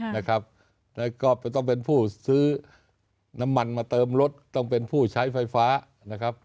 แล้วก็ต้องเป็นผู้ซื้อน้ำมันมาเติมรถต้องเป็นผู้ใช้ไฟฟ้านะครับ